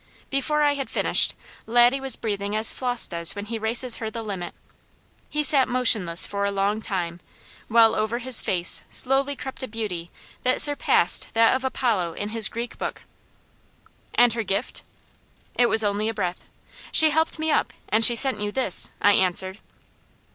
Before I had finished Laddie was breathing as Flos does when he races her the limit. He sat motionless for a long time, while over his face slowly crept a beauty that surpassed that of Apollo in his Greek book. "And her gift?" It was only a breath. "She helped me up, and she sent you this," I answered.